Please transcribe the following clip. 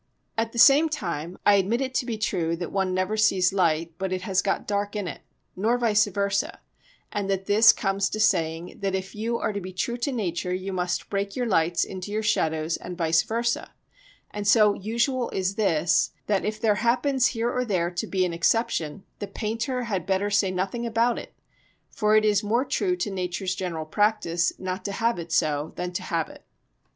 At the same time, I admit it to be true that one never sees light but it has got dark in it, nor vice versa, and that this comes to saying that if you are to be true to nature you must break your lights into your shadows and vice versa; and so usual is this that, if there happens here or there to be an exception, the painter had better say nothing about it, for it is more true to nature's general practice not to have it so than to have it.